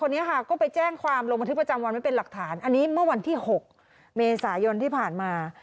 นี้ค่ะก็ไปแจ้งความลงบันทึกประจำวันไว้เป็นหลักฐานอันนี้เมื่อวันที่๖เมษายนที่ผ่านมา